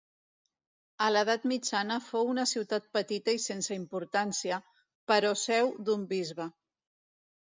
A l'edat mitjana fou una ciutat petita i sense importància, però seu d'un bisbe.